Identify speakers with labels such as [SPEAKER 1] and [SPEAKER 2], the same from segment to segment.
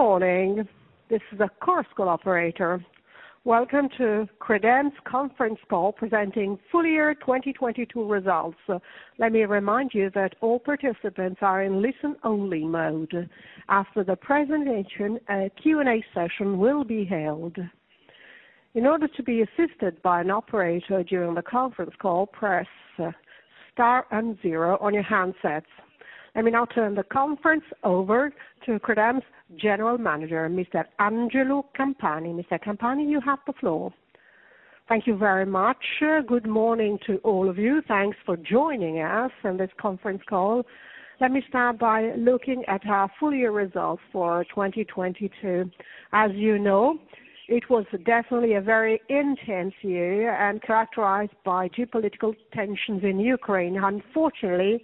[SPEAKER 1] Good morning. This is the Chorus Call operator. Welcome to Credem's Conference Call Presenting Full Year 2022 Results. Let me remind you that all participants are in listen only mode. After the presentation, a Q&A session will be held. In order to be assisted by an operator during the conference call, press star and 0 on your handsets. Let me now turn the conference over to Credem's General Manager, Mr. Angelo Campani. Mr. Campani, you have the floor.
[SPEAKER 2] Thank you very much. Good morning to all of you. Thanks for joining us in this conference call. Let me start by looking at our full year results for 2022. As you know, it was definitely a very intense year and characterized by geopolitical tensions in Ukraine. Unfortunately,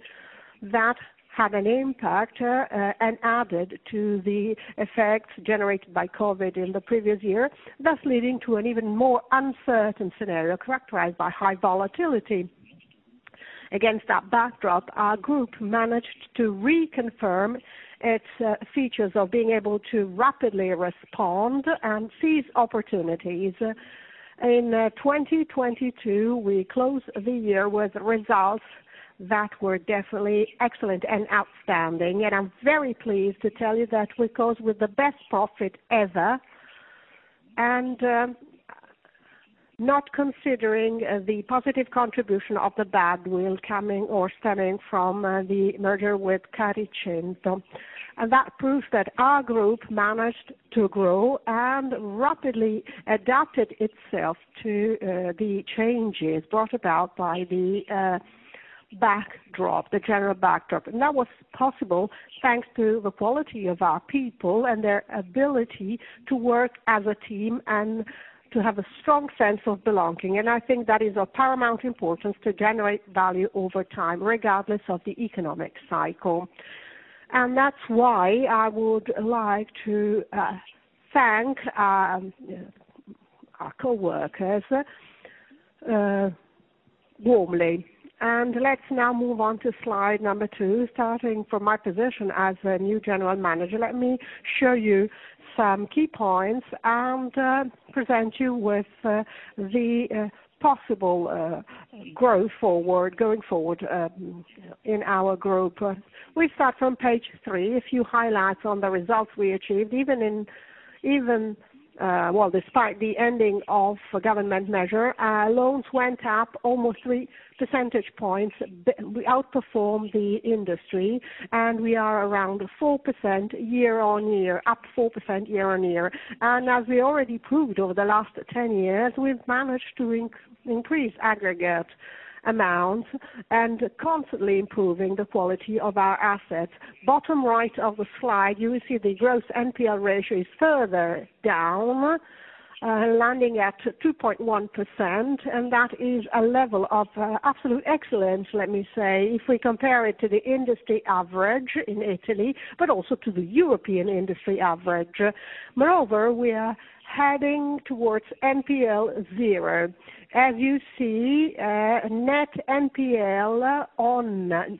[SPEAKER 2] that had an impact and added to the effects generated by COVID in the previous year, thus leading to an even more uncertain scenario characterized by high volatility. Against that backdrop, our group managed to reconfirm its features of being able to rapidly respond and seize opportunities. In 2022, we closed the year with results that were definitely excellent and outstanding, and I'm very pleased to tell you that we closed with the best profit ever. Not considering the positive contribution of the badwill coming or stemming from the merger with Caricento. That proves that our group managed to grow and rapidly adapted itself to the changes brought about by the backdrop, the general backdrop. That was possible thanks to the quality of our people and their ability to work as a team and to have a strong sense of belonging. I think that is of paramount importance to generate value over time, regardless of the economic cycle. That's why I would like to thank our coworkers warmly. Let's now move on to slide number two. Starting from my position as a new general manager, let me show you some key points and present you with the possible growth forward, going forward, in our group. We start from page three, a few highlights on the results we achieved even in, even well, despite the ending of government measure, our loans went up almost 3 percentage points. We outperformed the industry, we are around 4% year-over-year, up 4% year-over-year. As we already proved over the last 10 years, we've managed to increase aggregate amount and constantly improving the quality of our assets. Bottom right of the slide, you will see the gross NPL ratio is further down, landing at 2.1%. That is a level of absolute excellence, let me say, if we compare it to the industry average in Italy, but also to the European industry average. Moreover, we are heading towards NPL 0. As you see, net NPL on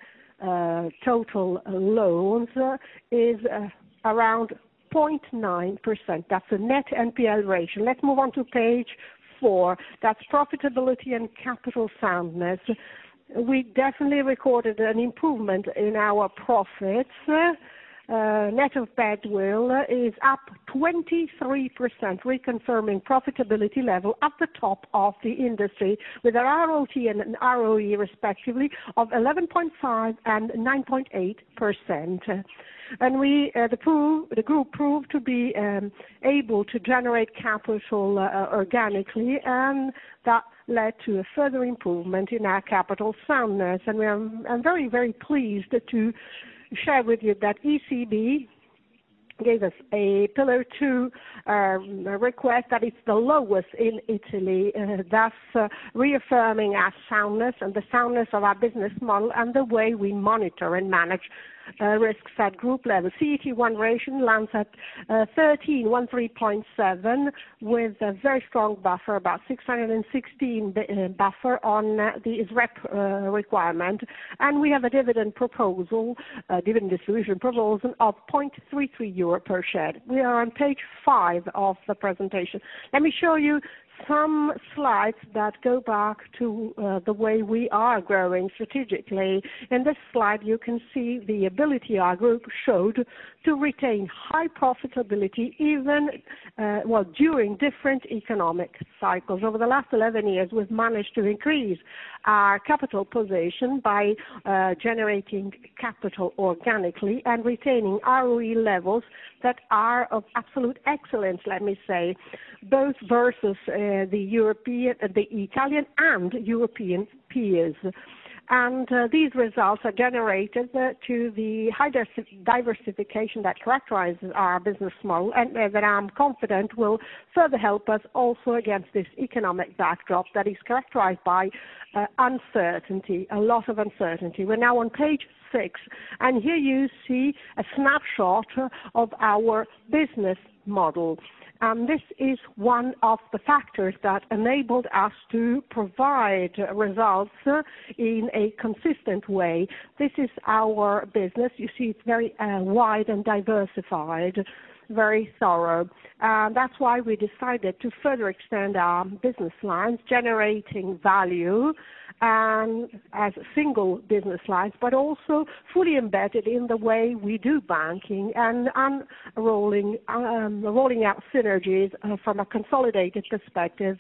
[SPEAKER 2] total loans is around 0.9%. That's a net NPL ratio. Let's move on to page four. That's profitability and capital soundness. We definitely recorded an improvement in our profits. Net of goodwill is up 23%, reconfirming profitability level at the top of the industry with our ROTE and ROE, respectively, of 11.5 and 9.8%. The group proved to be able to generate capital organically, and that led to a further improvement in our capital soundness. I'm very, very pleased to share with you that ECB gave us a Pillar 2 request that is the lowest in Italy, thus reaffirming our soundness and the soundness of our business model and the way we monitor and manage risks at group level. CET1 ratio lands at 13.7, with a very strong buffer, about 616, buffer on the SREP requirement. We have a dividend proposal, dividend distribution proposal of 0.33 euro per share. We are on page 5 of the presentation. Let me show you some slides that go back to the way we are growing strategically. In this slide, you can see the ability our group showed to retain high profitability even, well, during different economic cycles. Over the last 11 years, we've managed to increase our capital position by generating capital organically and retaining ROE levels that are of absolute excellence, let me say, both versus the European, the Italian and European peers. These results are generated to the high diversification that characterizes our business model, and that I am confident will further help us also against this economic backdrop that is characterized by uncertainty, a lot of uncertainty. We're now on page six, here you see a snapshot of our business model. This is one of the factors that enabled us to provide results in a consistent way. This is our business. You see it's very wide and diversified, very thorough. That's why we decided to further extend our business lines, generating value as single business lines, but also fully embedded in the way we do banking and unrolling, rolling out synergies from a consolidated perspective.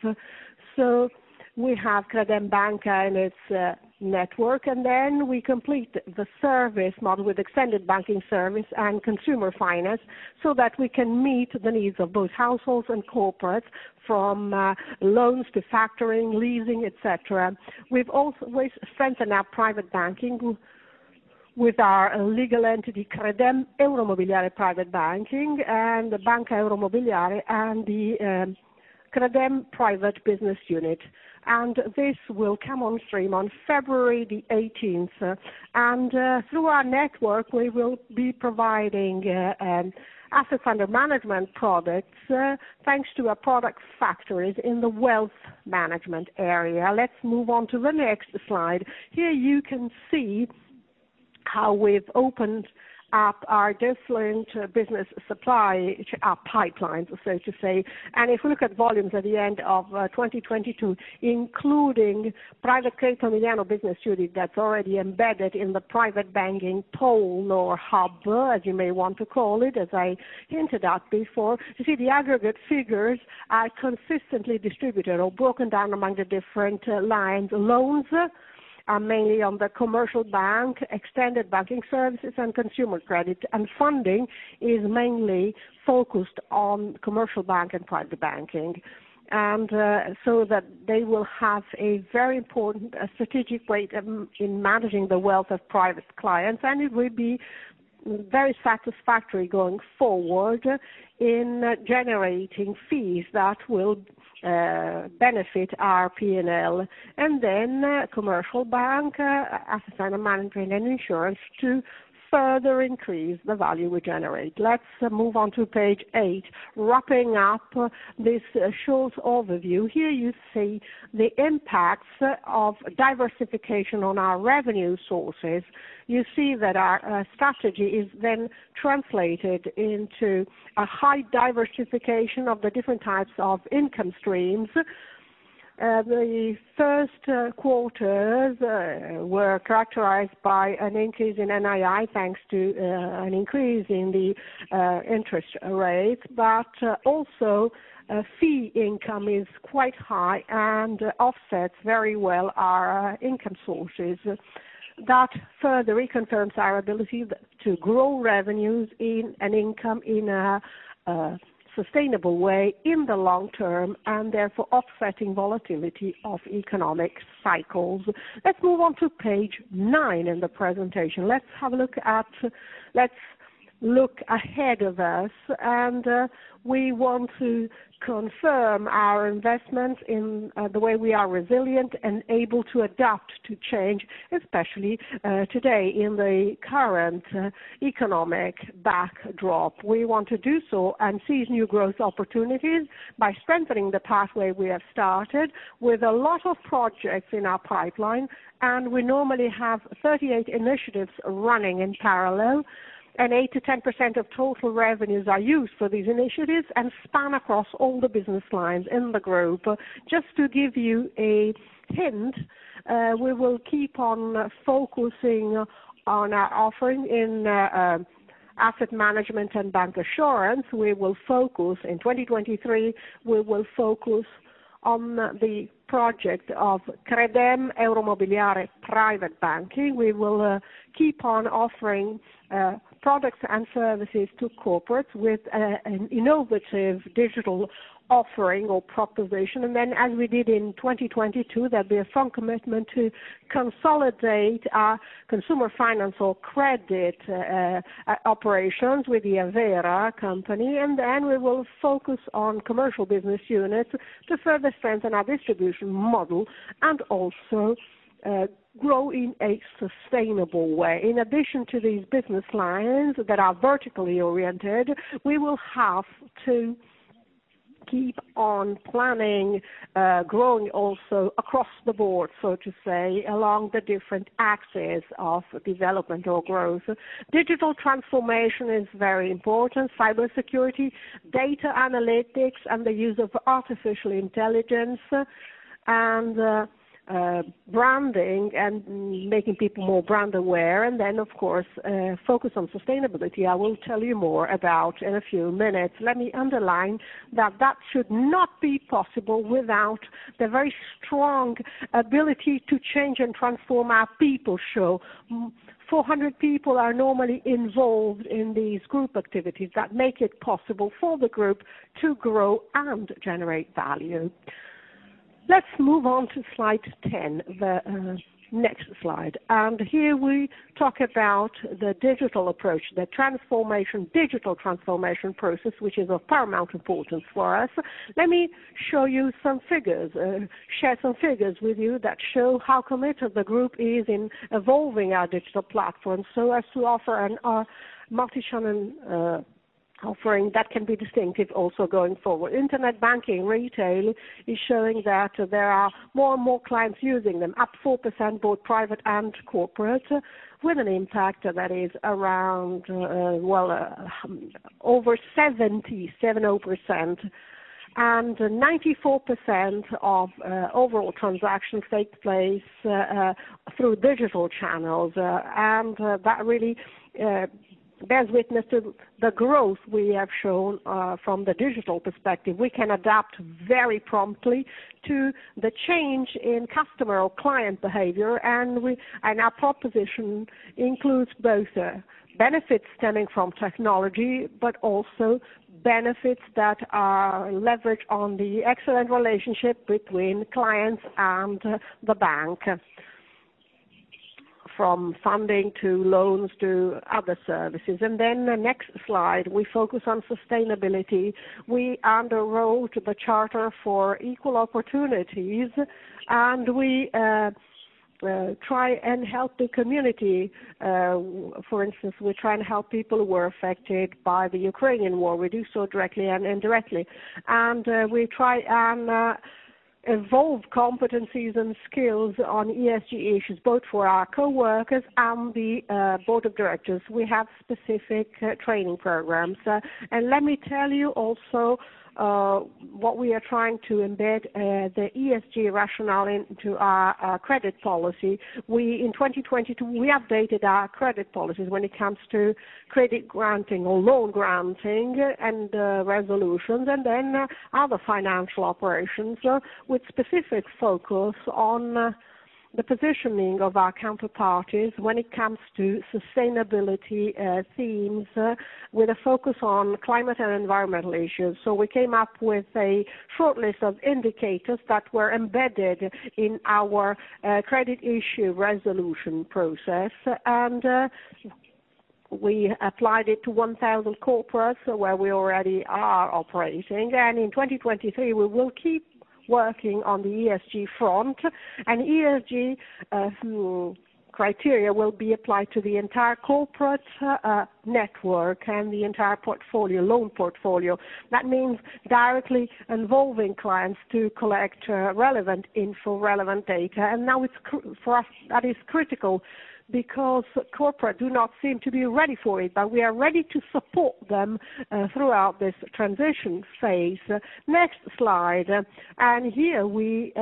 [SPEAKER 2] We have Credem Banca and its network, and then we complete the service model with extended banking service and consumer finance so that we can meet the needs of both households and corporates from loans to factoring, leasing, et cetera. We've also strengthened our private banking with our legal entity, Credem Euromobiliare Private Banking, and the Banca Euromobiliare, and the Credem private business unit. This will come on stream on February 18th. Through our network, we will be providing asset under management products thanks to our product factories in the wealth management area. Let's move on to the next slide. Here you can see how we've opened up our different business supply pipelines, so to say. If we look at volumes at the end of 2022, including private Credem Milano business unit that's already embedded in the private banking pole or hub, as you may want to call it, as I hinted at before. You see the aggregate figures are consistently distributed or broken down among the different lines. Loans are mainly on the commercial bank, extended banking services and consumer credit. Funding is mainly focused on commercial bank and private banking. They will have a very important strategic weight in managing the wealth of private clients, and it will be very satisfactory going forward in generating fees that will benefit our P&L. Commercial bank, asset under management, and insurance to further increase the value we generate. Let's move on to page eight, wrapping up this short overview. Here you see the impacts of diversification on our revenue sources. You see that our strategy is then translated into a high diversification of the different types of income streams. The first quarters were characterized by an increase in NII thanks to an increase in the interest rate, also fee income is quite high and offsets very well our income sources. That further reconfirms our ability to grow revenues in an income in a sustainable way in the long term and therefore offsetting volatility of economic cycles. Let's move on to page nine in the presentation. Let's look ahead of us, we want to confirm our investment in the way we are resilient and able to adapt to change, especially today in the current economic backdrop. We want to do so and seize new growth opportunities by strengthening the pathway we have started with a lot of projects in our pipeline. We normally have 38 initiatives running in parallel, and 8%-10% of total revenues are used for these initiatives and span across all the business lines in the group. Just to give you a hint, we will keep on focusing on our offering in asset management and bank assurance. We will focus in 2023, we will focus on the project of Credem Euromobiliare Private Banking. We will keep on offering products and services to corporates with an innovative digital offering or proposition. As we did in 2022, there'll be a strong commitment to consolidate our consumer finance or credit operations with the Avvera company. Then we will focus on commercial business units to further strengthen our distribution model and also grow in a sustainable way. In addition to these business lines that are vertically oriented, we will have to keep on planning, growing also across the board, so to say, along the different axes of development or growth. Digital transformation is very important, cybersecurity, data analytics, and the use of artificial intelligence, and branding and making people more brand aware, and then of course, focus on sustainability. I will tell you more about in a few minutes. Let me underline that that should not be possible without the very strong ability to change and transform our people show. 400 people are normally involved in these group activities that make it possible for the group to grow and generate value. Let's move on to slide 10, the next slide. Here we talk about the digital approach, the transformation, digital transformation process, which is of paramount importance for us. Let me show you some figures, share some figures with you that show how committed the group is in evolving our digital platform so as to offer a multi-channel offering that can be distinctive also going forward. Internet banking retail is showing that there are more and more clients using them, up 4%, both private and corporate, with an impact that is around, well, over 70%. 94% of overall transactions take place through digital channels. That really bears witness to the growth we have shown from the digital perspective. We can adapt very promptly to the change in customer or client behavior. Our proposition includes both benefits stemming from technology, but also benefits that are leveraged on the excellent relationship between clients and the bank. From funding to loans to other services. The next slide, we focus on sustainability. We underwrote the charter for equal opportunities, we try and help the community. For instance, we try and help people who were affected by the Ukrainian War. We do so directly and indirectly. We try and evolve competencies and skills on ESG issues, both for our coworkers and the board of directors. We have specific training programs. Let me tell you also what we are trying to embed the ESG rationale into our credit policy. In 2022, we updated our credit policies when it comes to credit granting or loan granting and resolutions, and then other financial operations with specific focus on the positioning of our counterparties when it comes to sustainability themes, with a focus on climate and environmental issues. We came up with a short list of indicators that were embedded in our credit issue resolution process, and we applied it to 1,000 corporates where we already are operating. In 2023, we will keep working on the ESG front, and ESG criteria will be applied to the entire corporate network and the entire portfolio, loan portfolio. That means directly involving clients to collect relevant info, relevant data. Now it's for us, that is critical because corporate do not seem to be ready for it, but we are ready to support them throughout this transition phase. Next slide. Here we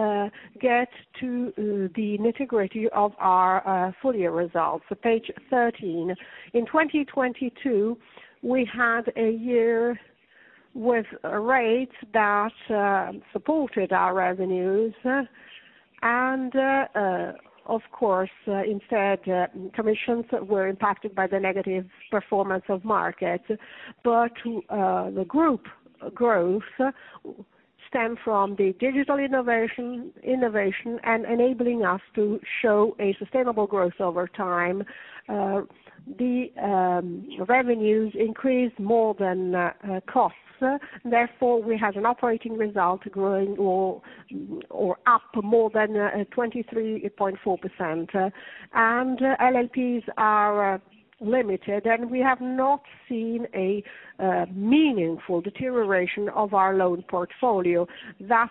[SPEAKER 2] get to the nitty-gritty of our full year results. Page 13. In 2022, we had a year with rates that supported our revenues. Of course, instead, commissions were impacted by the negative performance of markets. The group growth stem from the digital innovation and enabling us to show a sustainable growth over time. The revenues increased more than costs. Therefore, we had an operating result growing or up more than 23.4%. LLPs are limited, and we have not seen a meaningful deterioration of our loan portfolio, thus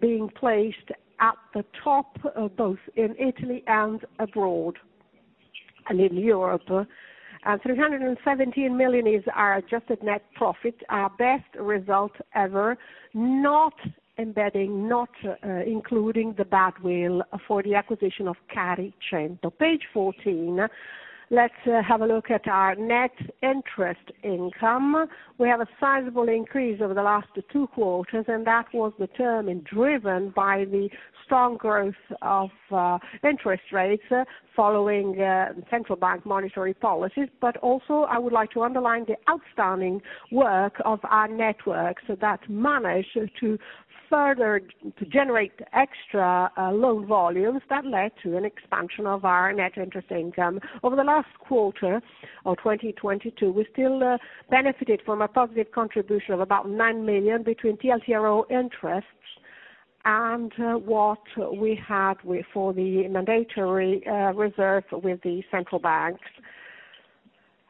[SPEAKER 2] being placed at the top, both in Italy and abroad and in Europe. 317 million is our adjusted net profit, our best result ever, not embedding, not including the bad will for the acquisition of Caricento. Page 14. Let's have a look at our net interest income. We have a sizable increase over the last two quarters, and that was determined, driven by the strong growth of interest rates following central bank monetary policies. Also, I would like to underline the outstanding work of our network. That managed to further generate extra loan volumes that led to an expansion of our net interest income. Over the last quarter of 2022, we still benefited from a positive contribution of about 9 million between TLTRO interests and what we had for the mandatory reserve with the central banks.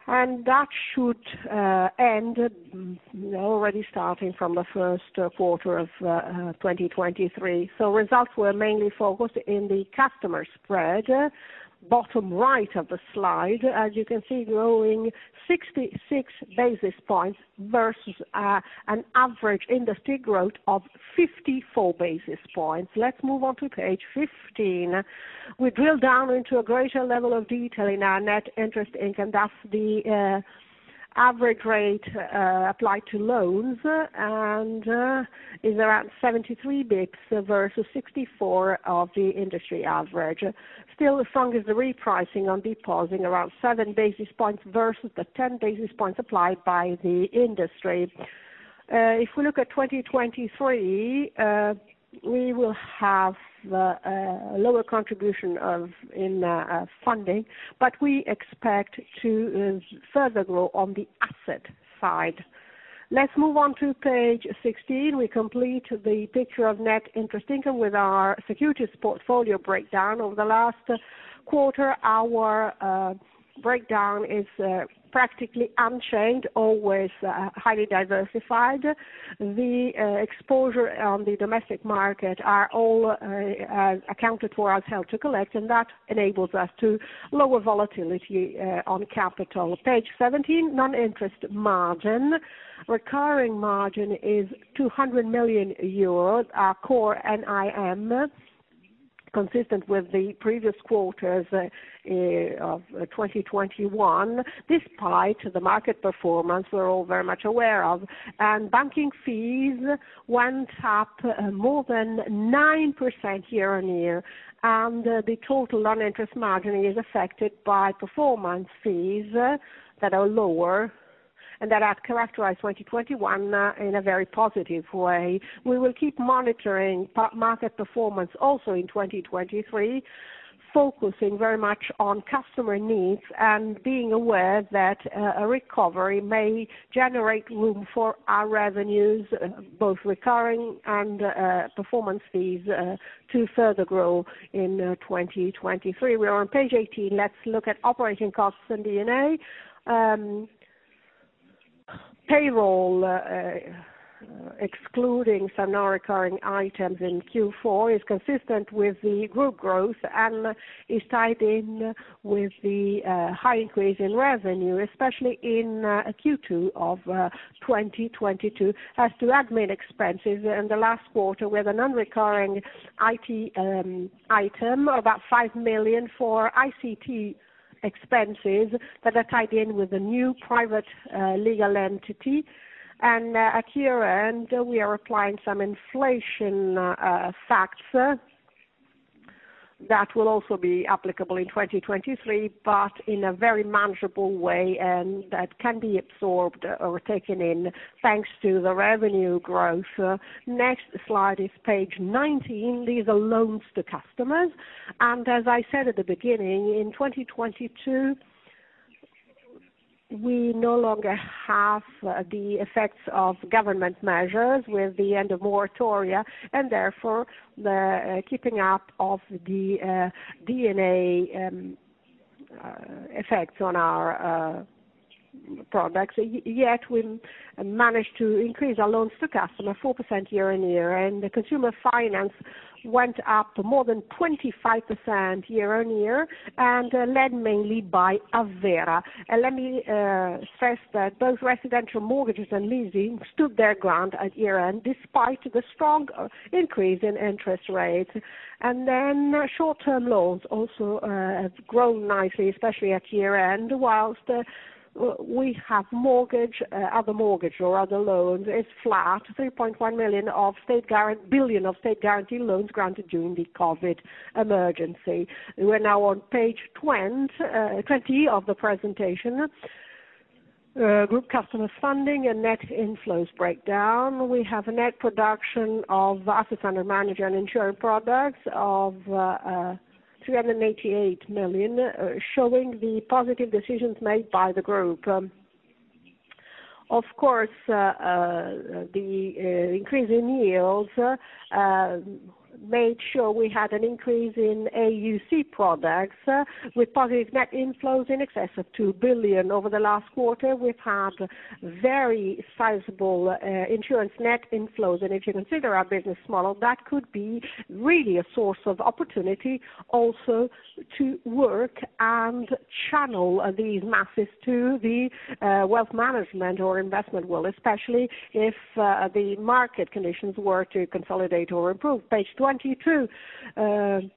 [SPEAKER 2] That should end already starting from the first quarter of 2023. Results were mainly focused in the customer spread, bottom right of the slide. As you can see, growing 66 basis points versus an average industry growth of 54 basis points. Let's move on to page 15. We drill down into a greater level of detail in our net interest income. That's the average rate applied to loans and is around 73 basis points versus 64 of the industry average. Still strong is the repricing on depositing around 7 basis points versus the 10 basis points applied by the industry. If we look at 2023, we will have a lower contribution of in funding. We expect to further grow on the asset side. Let's move on to page 16. We complete the picture of net interest income with our securities portfolio breakdown. Over the last quarter, our breakdown is practically unchanged, always highly diversified. The exposure on the domestic market are all accounted for as held to collect. That enables us to lower volatility on capital. Page 17, non-interest margin. Recurring margin is 200 million euros, our core NIM. Consistent with the previous quarters of 2021, despite the market performance we're all very much aware of, banking fees went up more than 9% year-on-year. The total non-interest margin is affected by performance fees that are lower and that have characterized 2021 in a very positive way. We will keep monitoring market performance also in 2023, focusing very much on customer needs and being aware that a recovery may generate room for our revenues, both recurring and performance fees, to further grow in 2023. We are on page 18. Let's look at operating costs in D&A. Payroll, excluding some non-recurring items in Q4, is consistent with the group growth and is tied in with the high increase in revenue, especially in Q2 of 2022. As to admin expenses in the last quarter, we have a non-recurring IT item, about 5 million for ICT expenses that are tied in with a new private legal entity. At year-end, we are applying some inflation facts that will also be applicable in 2023, but in a very manageable way, and that can be absorbed or taken in thanks to the revenue growth. Next slide is page 19. These are loans to customers. As I said at the beginning, in 2022, we no longer have the effects of government measures with the end of moratoria, and therefore the keeping up of the D&A effects on our products. Yet we managed to increase our loans to customer 4% year-over-year, and the consumer finance went up more than 25% year-over-year and led mainly by Avvera. Let me stress that both residential mortgages and leasing stood their ground at year-end despite the strong increase in interest rates. Short-term loans also have grown nicely, especially at year-end, whilst we have mortgage, other mortgage or other loans is flat, 3.1 billion of state guarantee loans granted during the COVID emergency. We're now on page 20 of the presentation. Group customers funding and net inflows breakdown. We have a net production of assets under management and insurance products of 388 million, showing the positive decisions made by the group. Of course, the increase in yields made sure we had an increase in AUC products with positive net inflows in excess of 2 billion over the last quarter. We've had very sizable insurance net inflows. If you consider our business model, that could be really a source of opportunity also to work and channel these masses to the wealth management or investment world, especially if the market conditions were to consolidate or improve. Page 22.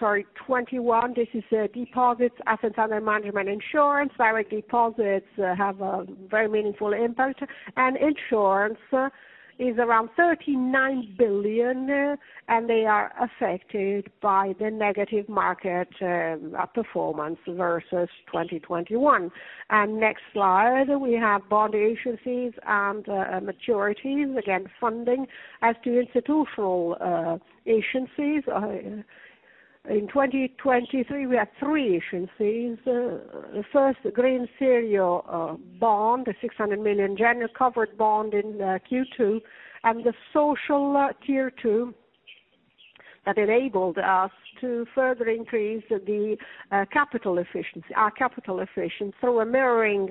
[SPEAKER 2] Sorry, 21. This is deposits, assets under management, insurance. Direct deposits have a very meaningful impact, and insurance is around 39 billion, and they are affected by the negative market performance versus 2021. Next slide, we have bond issuances and maturities, again, funding. As to institutional issuances in 2023, we had three issuances. The first Green serial bond, the 600 million genuine covered bond in Q2, and the Social Tier 2 that enabled us to further increase the capital efficiency, our capital efficiency through a mirroring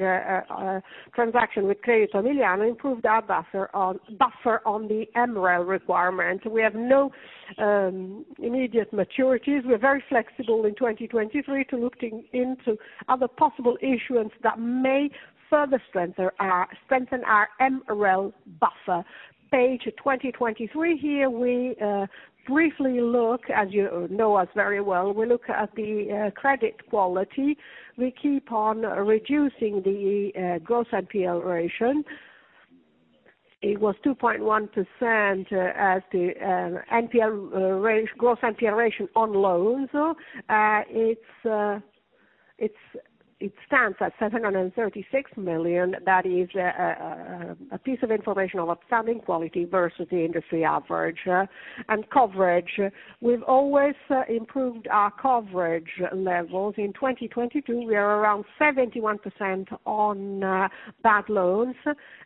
[SPEAKER 2] transaction with Credito Emiliano improved our buffer on the MREL requirement. We have no immediate maturities. We're very flexible in 2023 to looking into other possible issuance that may further strengthen our MREL buffer. Page 2023 here, we briefly look, as you know us very well, we look at the credit quality. We keep on reducing the gross NPL ratio. It was 2.1% as the gross NPL ratio on loans. It stands at 736 million. That is a piece of information of outstanding quality versus the industry average. Coverage, we've always improved our coverage levels. In 2022, we are around 71% on bad loans.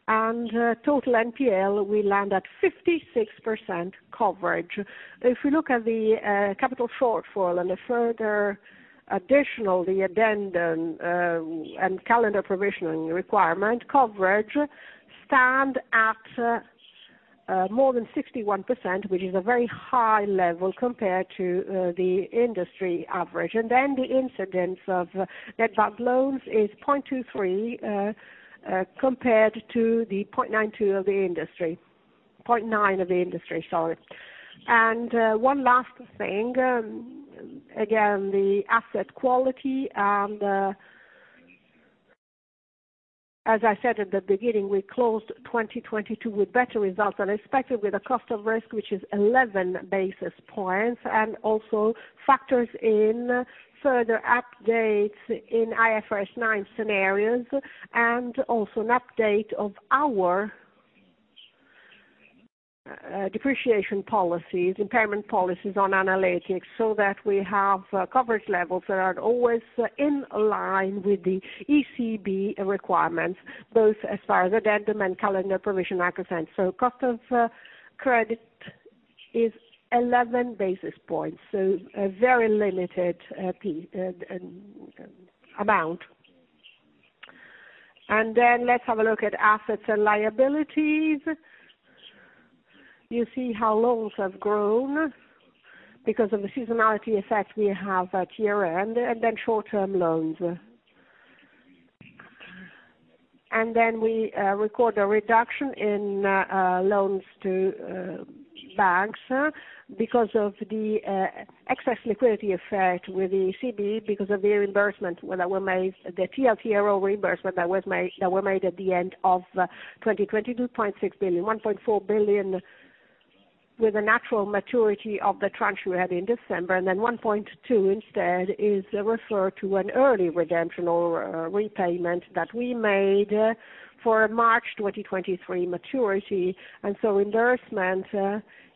[SPEAKER 2] Total NPL, we land at 56% coverage. If we look at the capital shortfall and the further additional, the Addendum, and calendar provisioning requirement, coverage stand at more than 61%, which is a very high level compared to the industry average. The incidence of net bad loans is 0.23 compared to the 0.92 of the industry. 0.9 of the industry, sorry. One last thing, again, the asset quality, as I said at the beginning, we closed 2022 with better results than expected with a cost of risk, which is 11 basis points, and also factors in further updates in IFRS 9 scenarios, and also an update of our depreciation policies, impairment policies on analytics, so that we have coverage levels that are always in line with the ECB requirements, both as far as addendum and calendar provision are concerned. Cost of credit is 11 basis points, so a very limited amount. Let's have a look at assets and liabilities. You see how loans have grown because of the seasonality effect we have at year-end, and then short-term loans. Then we record a reduction in loans to banks because of the excess liquidity effect with the ECB because of the reimbursement that were made, the TLTRO reimbursement that was made at the end of 2022, 0.6 billion. 1.4 billion with a natural maturity of the tranche we had in December, and then 1.2 billion instead is referred to an early redemption or repayment that we made for March 2023 maturity. So endorsement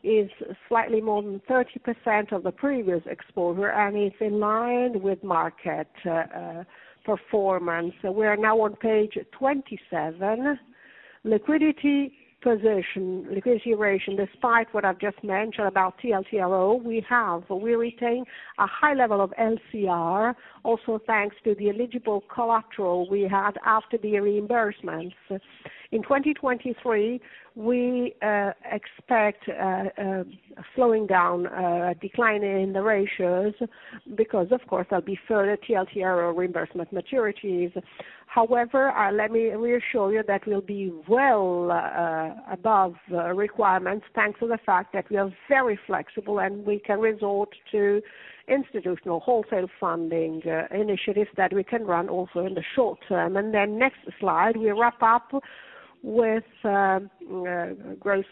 [SPEAKER 2] is slightly more than 30% of the previous exposure and is in line with market performance. We are now on page 27. Liquidity position, liquidity ratio, despite what I've just mentioned about TLTRO, we retain a high level of LCR, also thanks to the eligible collateral we had after the reimbursements. In 2023, we expect slowing down decline in the ratios because of course there'll be further TLTRO reimbursement maturities. However, let me reassure you that we'll be well above requirements, thanks to the fact that we are very flexible, and we can resort to institutional wholesale funding initiatives that we can run also in the short term. Next slide, we wrap up with growth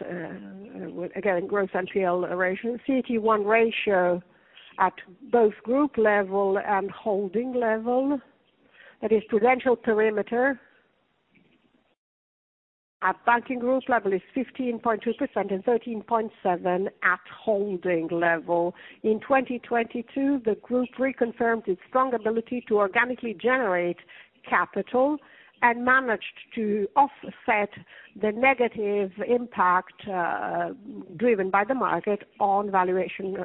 [SPEAKER 2] again, gross NPL ratio. CET1 ratio at both group level and holding level. That is Prudential Perimeter. At banking group level is 15.2% and 13.7% at holding level. In 2022, the group reconfirmed its strong ability to organically generate capital and managed to offset the negative impact driven by the market on valuation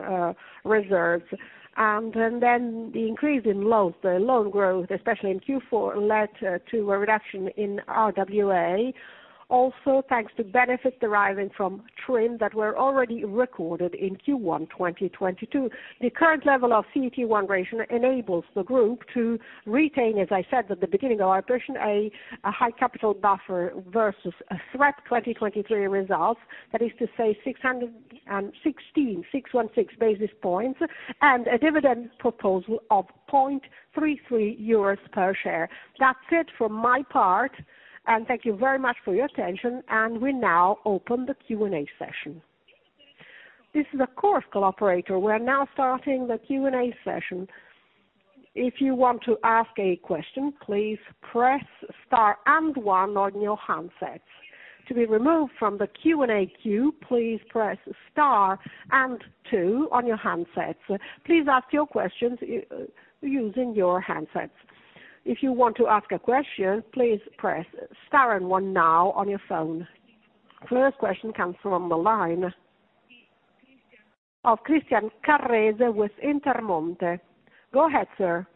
[SPEAKER 2] reserves. The increase in loans, the loan growth, especially in Q4, led to a reduction in RWA. Thanks to benefits deriving from TRIM that were already recorded in Q1 2022. The current level of CET1 ratio enables the group to retain, as I said at the beginning of our presentation, a high capital buffer versus SREP 2023 results. That is to say 616 basis points, and a dividend proposal of 0.33 euros per share. That's it from my part. Thank you very much for your attention. We now open the Q&A session.
[SPEAKER 1] This is a Chorus Call operator. We're now starting the Q&A session. If you want to ask a question, please press star and one on your handsets. To be removed from the Q&A queue, please press star and two on your handsets. Please ask your questions using your handsets. If you want to ask a question, please press star and one now on your phone. First question comes from the line of Christian Carrese with Intermonte. Go ahead, sir.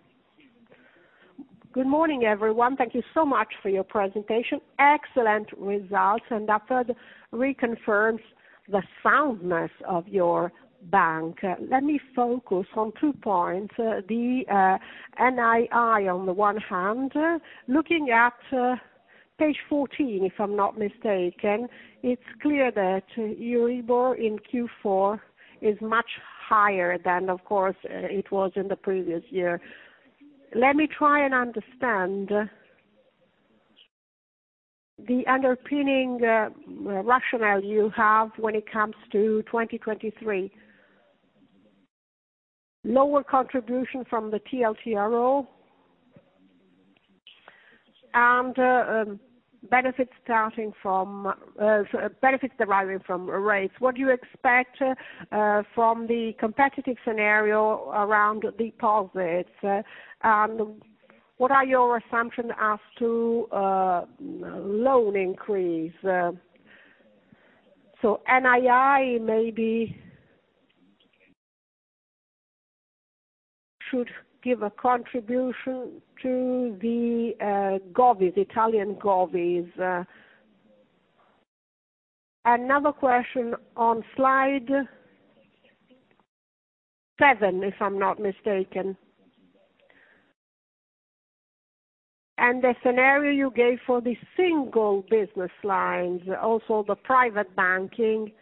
[SPEAKER 3] Good morning, everyone. Thank you so much for your presentation. Excellent results. That reconfirms the soundness of your bank. Let me focus on two points. The NII on the one hand. Looking at page 14, if I'm not mistaken, it's clear that Euribor in Q4 is much higher than, of course, it was in the previous year. Let me try and understand the underpinning rationale you have when it comes to 2023. Lower contribution from the TLTRO, benefits deriving from rates. What do you expect from the competitive scenario around deposits? What are your assumptions as to loan increase? NII maybe should give a contribution to the govies, Italian govies. Another question on slide seven, if I'm not mistaken. The scenario you gave for the single business lines, also the private banking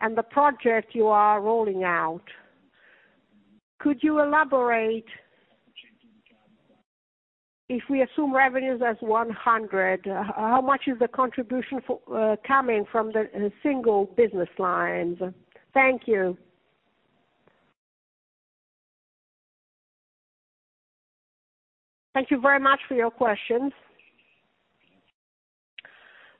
[SPEAKER 3] and the project you are rolling out, could you elaborate if we assume revenues as 100, how much is the contribution for coming from the single business lines? Thank you.
[SPEAKER 2] Thank you very much for your questions.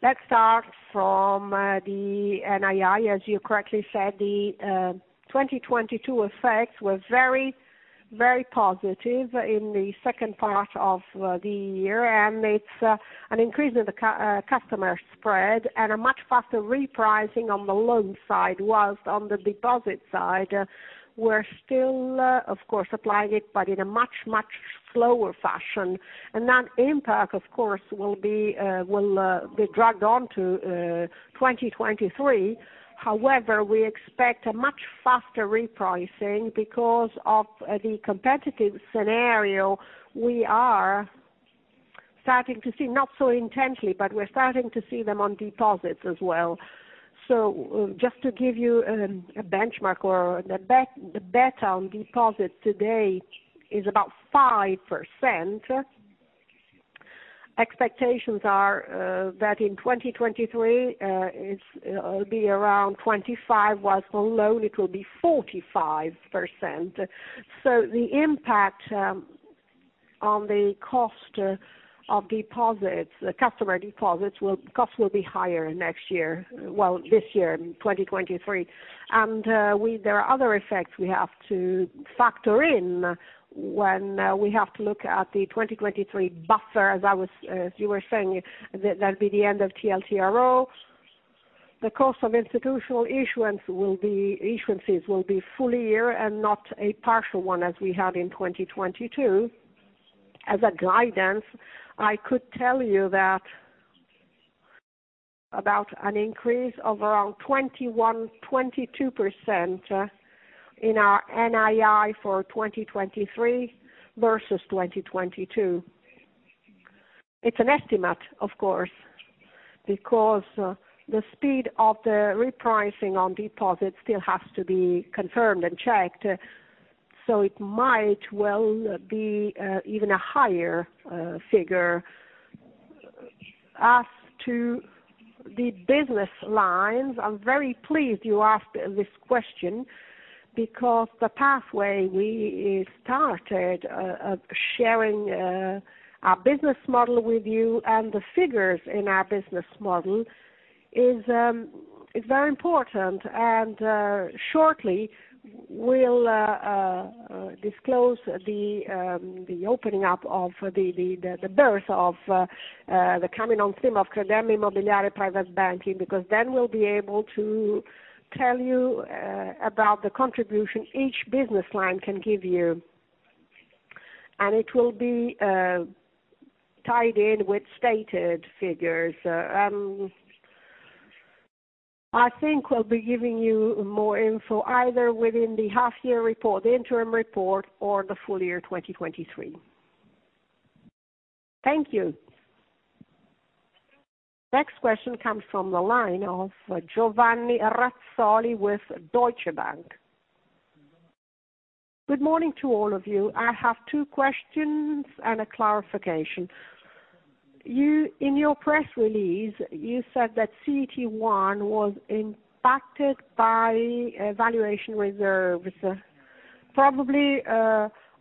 [SPEAKER 2] Let's start from the NII. As you correctly said, the 2022 effects were very, very positive in the second part of the year. It's an increase in the customer spread and a much faster repricing on the loan side, whilst on the deposit side, we're still, of course, applying it, but in a much, much slower fashion. That impact, of course, will be dragged on to 2023. We expect a much faster repricing because of the competitive scenario we are starting to see. Not so intensely, but we're starting to see them on deposits as well. Just to give you a benchmark or the beta on deposits today is about 5%. Expectations are that in 2023, it'll be around 25%, whilst on loan it will be 45%. The impact on the cost of deposits, the customer deposits will cost will be higher next year. Well, this year, in 2023. There are other effects we have to factor in when we have to look at the 2023 buffer. As you were saying, that'll be the end of TLTRO. The cost of institutional issuances will be full year and not a partial one as we had in 2022. As a guidance, I could tell you that about an increase of around 21%-22% in our NII for 2023 versus 2022. It's an estimate, of course, because the speed of the repricing on deposits still has to be confirmed and checked, so it might well be even a higher figure. As to the business lines, I'm very pleased you asked this question because the pathway we started sharing our business model with you and the figures in our business model is very important. Shortly we'll disclose the opening up of the birth of the coming on stream of Credem Euromobiliare Private Banking, because then we'll be able to tell you about the contribution each business line can give you, and it will be tied in with stated figures. I think we'll be giving you more info either within the half year report, the interim report, or the full year 2023.
[SPEAKER 3] Thank you.
[SPEAKER 1] Next question comes from the line of Giovanni Razzoli with Deutsche Bank.
[SPEAKER 4] Good morning to all of you. I have two questions and a clarification. You, in your press release, you said that CET1 was impacted by valuation reserves, probably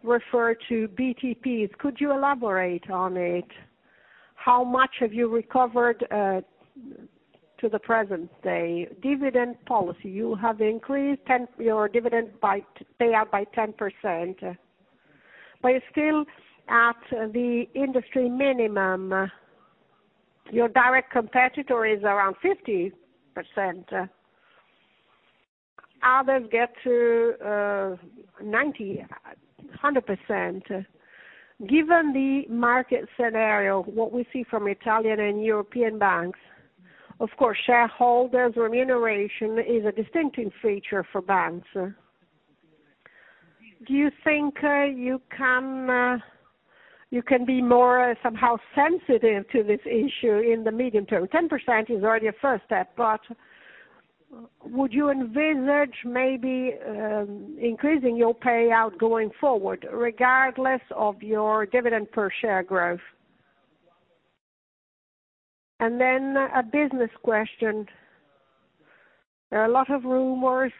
[SPEAKER 4] refer to BTPs. Could you elaborate on it? How much have you recovered to the present day? Dividend policy, you have increased 10, your dividend by payout by 10%, but you're still at the industry minimum. Your direct competitor is around 50%. Others get to 90%, 100%. Given the market scenario, what we see from Italian and European banks, of course, shareholders remuneration is a distinctive feature for banks. Do you think you can be more somehow sensitive to this issue in the medium term? 10% is already a first step, but would you envisage maybe increasing your payout going forward regardless of your dividend per share growth? A business question. There are a lot of rumors...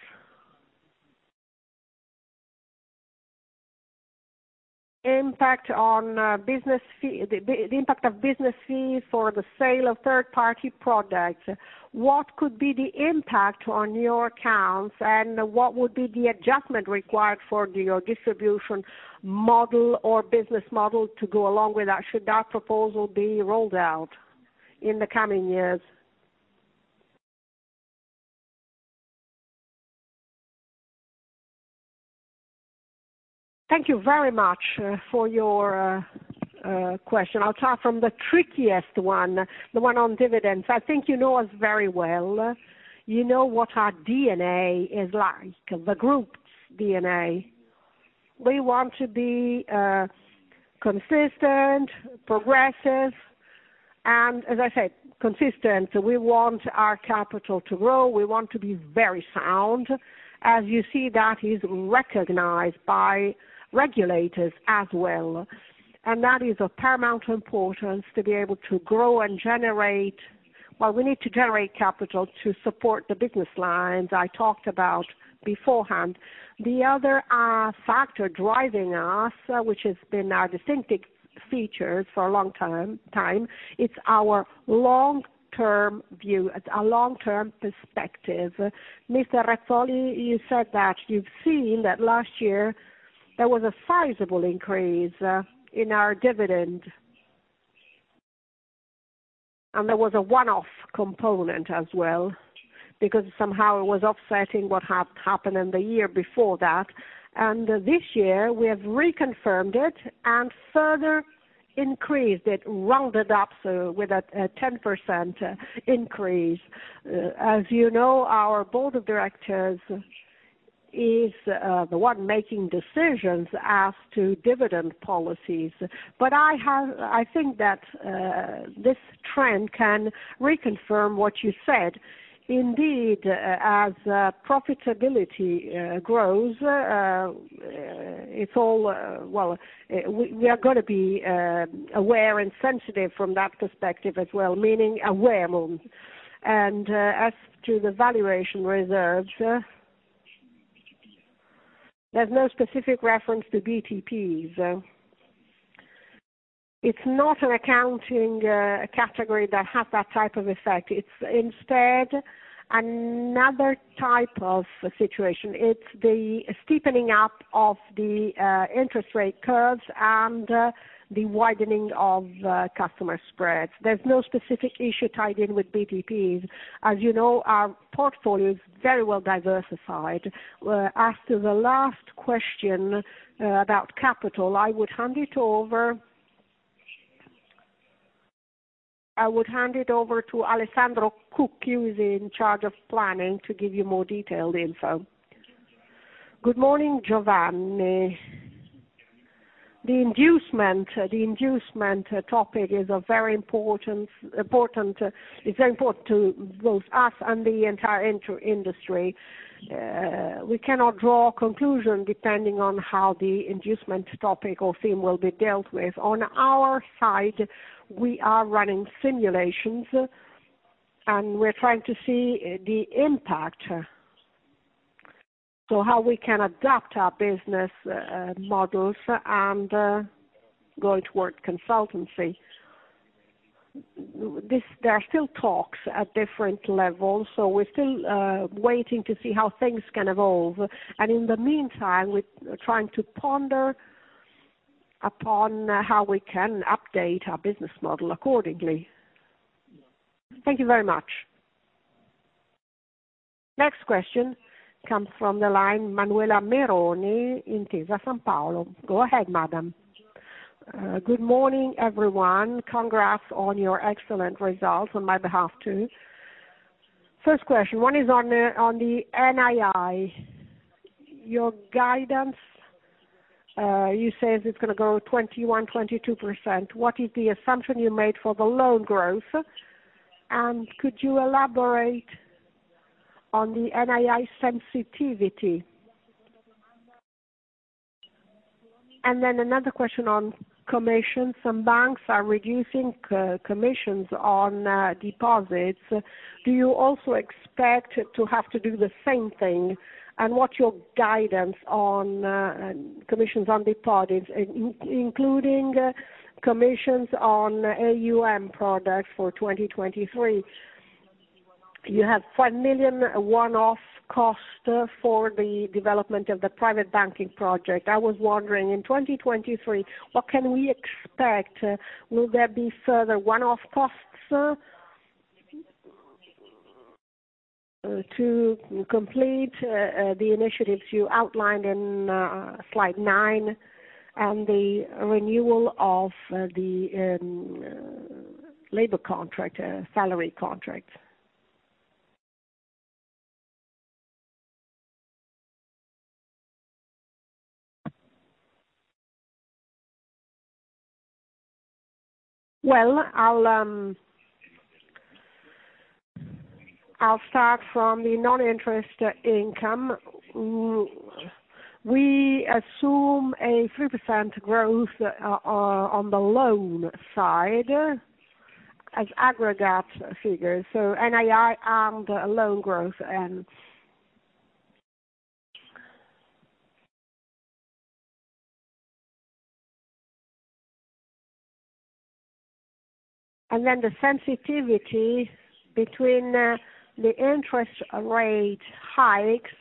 [SPEAKER 4] Impact on business fee, the impact of business fees for the sale of third party products. What could be the impact on your accounts, and what would be the adjustment required for your distribution model or business model to go along with that, should that proposal be rolled out in the coming years?
[SPEAKER 2] Thank you very much for your question. I'll start from the trickiest one, the one on dividends. I think you know us very well. You know what our DNA is like, the group's DNA. We want to be consistent, progressive. As I said, consistent, we want our capital to grow. We want to be very sound. As you see, that is recognized by regulators as well, and that is of paramount importance to be able to grow and generate... Well, we need to generate capital to support the business lines I talked about beforehand. The other factor driving us, which has been our distinctive features for a long time, it's our long-term view, a long-term perspective. Mr. Razzoli, you said that you've seen that last year there was a sizable increase in our dividend. There was a one-off component as well, because somehow it was offsetting what had happened in the year before that. This year, we have reconfirmed it and further increased it, rounded up with a 10% increase. As you know, our board of directors is the one making decisions as to dividend policies. I think that this trend can reconfirm what you said. Indeed, as profitability grows, it's all... Well, we are gonna be aware and sensitive from that perspective as well, meaning aware. As to the valuation reserve, there's no specific reference to BTPs. It's not an accounting category that has that type of effect. It's instead another type of situation. It's the steepening up of the interest rate curves and the widening of customer spreads. There's no specific issue tied in with BTPs. As you know, our portfolio is very well diversified. As to the last question about capital, I would hand it over to Alessandro Cucchi, who is in charge of planning, to give you more detailed info.
[SPEAKER 5] Good morning, Giovanni. The inducement topic is a very important. It's important to both us and the entire inter-industry. We cannot draw a conclusion depending on how the inducement topic or theme will be dealt with. On our side, we are running simulations, and we're trying to see the impact. How we can adapt our business models and going toward consultancy. There are still talks at different levels, so we're still waiting to see how things can evolve. In the meantime, we're trying to ponder upon how we can update our business model accordingly.
[SPEAKER 4] Thank you very much.
[SPEAKER 1] Next question comes from the line, Manuela Meroni, Intesa Sanpaolo. Go ahead, madam.
[SPEAKER 6] Good morning, everyone. Congrats on your excellent results on my behalf, too. First question, one is on the NII. Your guidance, you say it's gonna go 21%-22%. What is the assumption you made for the loan growth? Could you elaborate on the NII sensitivity? Another question on commission. Some banks are reducing commissions on deposits. Do you also expect to have to do the same thing? What's your guidance on commissions on deposits, including commissions on AUM product for 2023? You have 5 million one-off cost for the development of the private banking project. I was wondering, in 2023, what can we expect? Will there be further one-off costs to complete the initiatives you outlined in slide nine and the renewal of the labor contract, salary contract?
[SPEAKER 2] Well, I'll start from the non-interest income. We assume a 3% growth on the loan side as aggregate figures, so NII and loan growth. The sensitivity between the interest rate hikes,